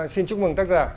xin chúc mừng tác giả